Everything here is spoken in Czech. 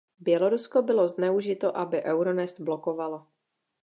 Bělorusko bylo zneužito, aby Euronest blokovalo.